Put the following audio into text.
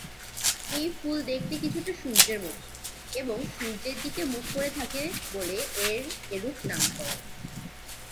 এই ফুল দেখতে কিছুটা সূর্যের মত এবং সূর্যের দিকে মুখ করে থাকে বলে এর এরূপ নামকরণ।